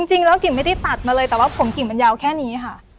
จริงแล้วกิ่งไม่ได้ตัดมาเลยแต่ว่าผมกิ่งมันยาวแค่นี้ค่ะ